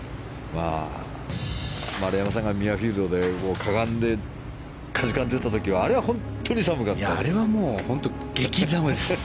丸山さんがミュアフィールドでかがんでかじかんでいた時は本当に寒かったですか？